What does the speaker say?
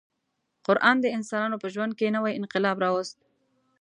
قران د انسانانو په ژوند کې نوی انقلاب راوست.